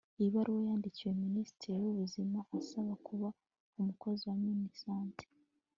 ibaruwa yandikiye minisitiri w'ubuzima asaba kuba umukozi wa minisante